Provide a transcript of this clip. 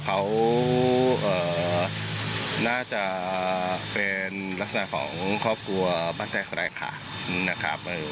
เขาน่าจะเป็นลักษณะของครอบครัวบ้านแตกรายขาดนะครับ